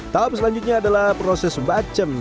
tahap selanjutnya adalah proses bacem